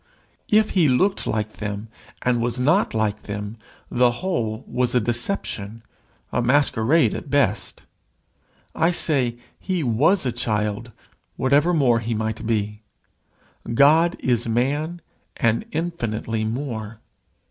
If he looked like them and was not like them, the whole was a deception, a masquerade at best. I say he was a child, whatever more he might be. God is man, and infinitely more.